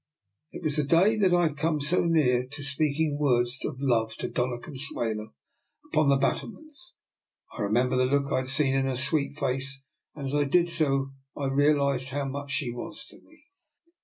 It was the day that I had come so near speaking words of love to Doiia Consuelo upon the battle ments. I remembered .the look I had seen on her sweet face, and as I did so I realized 214 DR. NIKOLA'S EXPERIMENT. how much she was to me.